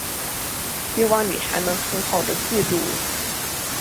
希望你还能很好地记住我。